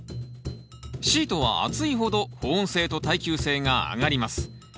シートは厚いほど保温性と耐久性が上がります。